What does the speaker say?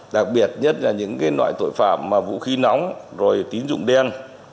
đặc biệt nhất là những loại tội phạm vũ khí nóng rồi tín dụng đen